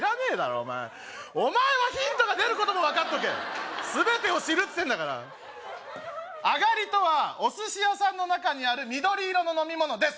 お前お前はヒントが出ることも分かっとけ全てを知るっつってんだからあがりとはお寿司屋さんの中にある緑色の飲み物です！